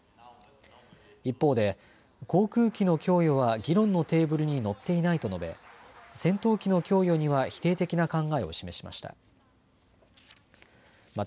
一方で航空機の供与は議論のテーブルに載っていないと述べ戦闘機の供与には否定的な考えを示しました。